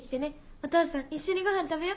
お父さん一緒にご飯食べよ。